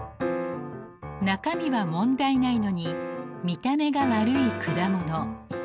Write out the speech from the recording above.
中身は問題ないのに見た目が悪い果物。